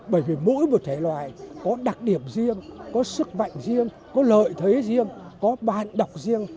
bởi vì mỗi một thể loại có đặc điểm riêng có sức mạnh riêng có lợi thế riêng có bạn đọc riêng